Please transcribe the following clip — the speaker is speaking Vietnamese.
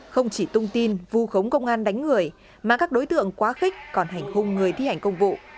không chỉ tung tin vù khống công an đánh người mà các đối tượng quá khích còn hành hung người thi hành công vụ